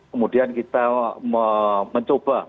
kemudian kita mencoba